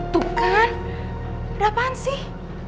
tuh kan berapaan sih